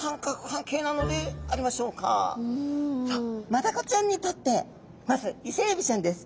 マダコちゃんにとってまずイセエビちゃんです。